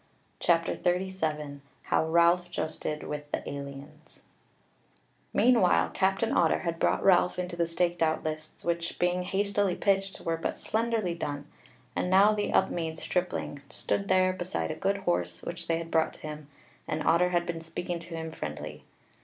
CHAPTER 37 How Ralph Justed With the Aliens Meanwhile Captain Otter had brought Ralph into the staked out lists, which, being hastily pitched, were but slenderly done, and now the Upmeads stripling stood there beside a good horse which they had brought to him, and Otter had been speaking to him friendly.